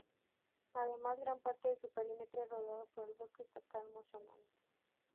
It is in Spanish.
Además gran parte de su perímetro es rodeado por el Bosque Estatal Moshannon.